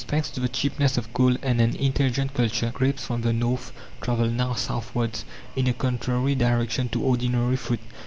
Thanks to the cheapness of coal and an intelligent culture, grapes from the north travel now southwards, in a contrary direction to ordinary fruit.